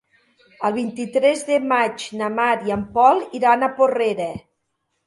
El vint-i-tres de maig na Mar i en Pol iran a Porrera.